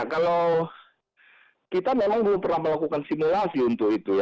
kalau kita memang belum pernah melakukan simulasi untuk itu ya